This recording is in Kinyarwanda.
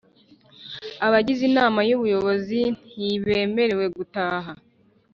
Abagize Inama y Ubuyobozi ntibemerewe gutaha